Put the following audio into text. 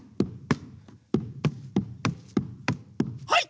はい！